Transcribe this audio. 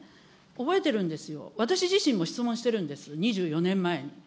覚えてるんですよ、私自身も質問してるんです、２４年前に。